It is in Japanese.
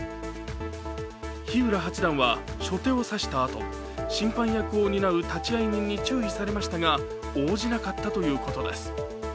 日浦八段は初手を指したあと、審判役を担う立会人に注意されましたが応じなかったということです。